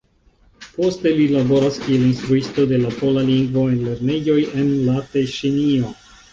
Poste li laboras kiel instruisto de la pola lingvo en lernejoj en la Teŝinio.